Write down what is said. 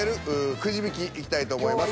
くじ引きいきたいと思います。